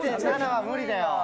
０．７は無理だよ。